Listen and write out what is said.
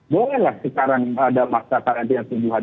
bolehlah sekarang ada masa karantina tumbuhan